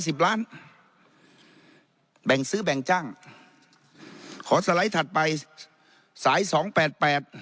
สิบล้านแบ่งซื้อแบ่งจ้างขอสไลด์ถัดไปสายสองแปดแปด